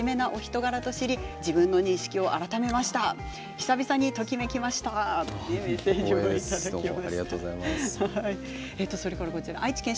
久々にときめきましたというメッセージです。